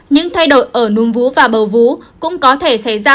những thay đổi ở nùng vú và bầu vú cũng có thể xảy ra